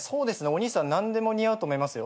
お兄さん何でも似合うと思いますよ。